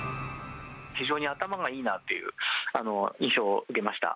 非常に頭がいいなっていう印象を受けました。